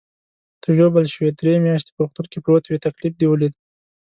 ته ژوبل شوې، درې میاشتې په روغتون کې پروت وې، تکلیف دې ولید.